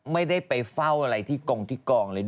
ไม่ได้ไปเฝ้าอะไรที่กงที่กองเลย